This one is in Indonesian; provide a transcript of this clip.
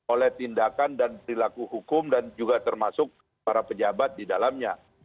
oleh tindakan dan perilaku hukum dan juga termasuk para pejabat di dalamnya